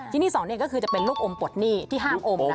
ที่นี่๒ก็คือจะเป็นลูกอมปลดหนี้ที่ห้ามอมนะ